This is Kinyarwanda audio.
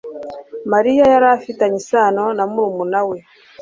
Mariya yari afitanye isano na murumuna we